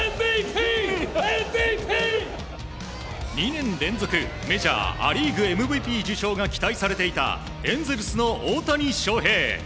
２年連続メジャーア・リーグＭＶＰ受賞が期待されていたエンゼルスの大谷翔平。